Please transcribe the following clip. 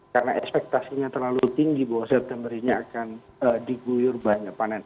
karena ekspektasinya terlalu tinggi bahwa september ini akan diguyur banyak panen